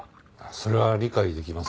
それは理解できますが。